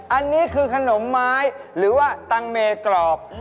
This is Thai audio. อันนี้คือขนมไม้หรือว่าตังเมกรอบ